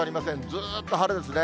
ずっと晴れですね。